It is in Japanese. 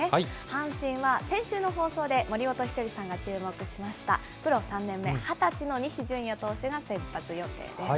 阪神は、先週の放送で森本稀哲さんが注目しましたプロ３年目、２０歳の西純矢投手が先発予定です。